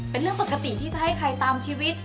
เป็นเรื่องปกติที่จะให้ใครตามชีวิต